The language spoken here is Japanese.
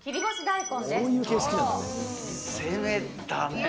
攻めたね。